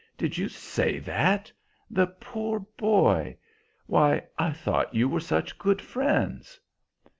"Did you say that? The poor boy! Why, I thought you were such good friends!"